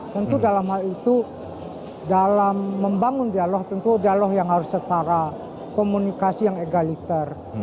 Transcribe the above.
tentu dalam hal itu dalam membangun dialog tentu dialog yang harus setara komunikasi yang egaliter